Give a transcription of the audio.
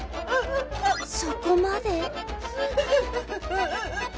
そこまで！？